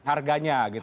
harganya gitu ya